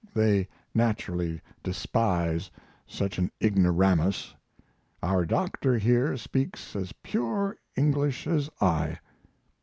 They naturally despise such an ignoramus. Our doctor here speaks as pure English, as I.